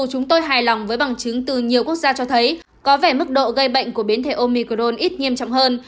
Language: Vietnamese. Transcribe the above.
chúng tôi hài lòng với bằng chứng từ nhiều quốc gia cho thấy có vẻ mức độ gây bệnh của biến thể omicron ít nghiêm trọng hơn